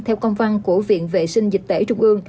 theo công văn của viện vệ sinh dịch tễ trung ương